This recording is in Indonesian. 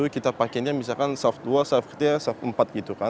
kita pakai ini misalkan sahabat dua sahabat ketiga sahabat empat